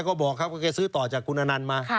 ก็บอกครับว่าแกซื้อต่อจากคุณอนันต์มา